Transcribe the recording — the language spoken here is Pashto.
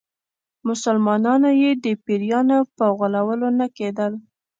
مسلمانانو یې د پیرانو په غولولو نه کېدل.